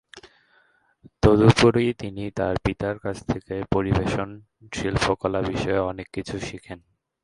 তদুপরি, তিনি তার পিতার কাছ থেকে পরিবেশন শিল্পকলা বিষয়ে অনেক কিছু শিখেন।